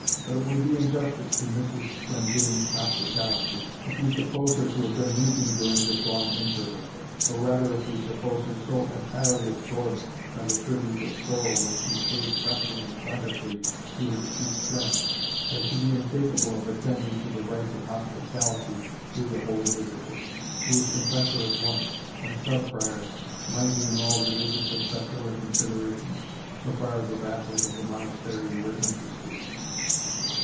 But it would be injustice to Mrs. Glendinning's hospitality, if we suppose her to have been weeping during this long interval, or rather if we suppose her so entirely absorbed by the tribute of sorrow which she paid frankly and plentifully to her deceased friend, as to be incapable of attending to the rights of hospitality due to the holy visitor who was confessor at once, and Sub Prior mighty in all religious and secular considerations, so far as the vassals of the Monastery were interested.